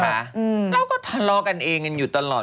เราก็ทะเลาะกันเองกันอยู่ตลอด